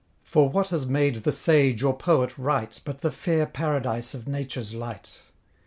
For what has made the sage or poet write But the fair paradise of Nature's light?